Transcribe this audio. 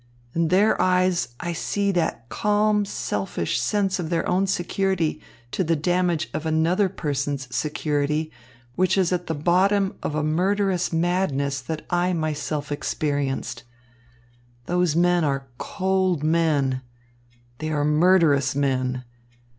In their eyes I see that calm selfish sense of their own security to the damage of another person's security which is at the bottom of a murderous madness that I myself experienced. Those men are cold men, they are murderous men.